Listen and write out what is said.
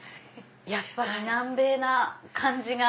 やっぱり南米な感じが。